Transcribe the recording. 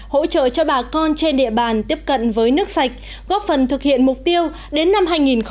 hỗ trợ cho bà con trên địa bàn tiếp cận với nước sạch góp phần thực hiện mục tiêu đến năm hai nghìn ba mươi